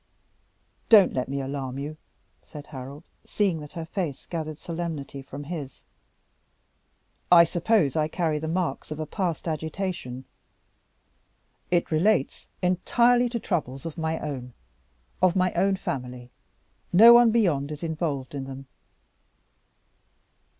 "Don't let me alarm you," said Harold, seeing that her face gathered solemnity from his. "I suppose I carry the marks of a past agitation. It relates entirely to troubles of my own of my own family. No one beyond is involved in them."